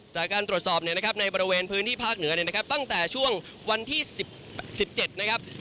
จากการตรวจสอบเนี่ยนะครับในบริเวณพื้นที่ภาคเหนือเนี่ยนะครับตั้งแต่ช่วงวันที่๑๗นะครับ